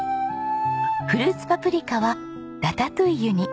フルーツパプリカはラタトゥイユに。